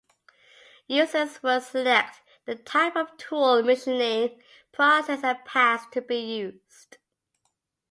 Users would select the type of tool, machining process and paths to be used.